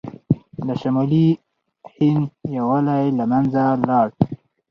د شمالي هند یووالی له منځه لاړ.